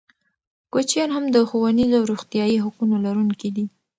کوچیان هم د ښوونیزو او روغتیايي حقونو لرونکي دي.